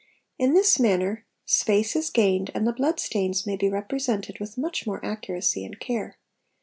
In this manner space is | gained and the blood stains may be represented with much more accuracy — and care.